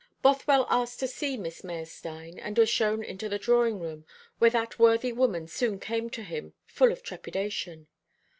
Bothwell asked to see Miss Meyerstein, and was shown into the drawing room, where that worthy woman soon came to him, full of trepidation.